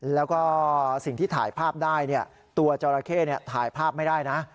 แล้วก็สิ่งที่ถ่ายภาพได้ตัวจราเข้ถ่ายภาพไม่ได้นะ